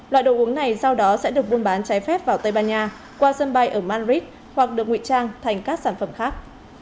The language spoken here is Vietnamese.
loại đồ uống này sau đó sẽ được buôn bán trái phép vào tây ban nha qua sân bay ở madrid hoặc được nguy trang thành các sản phẩm khác